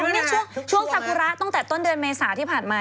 นี่ช่วงซากุระตั้งแต่ต้นเดือนเมษาที่ผ่านมา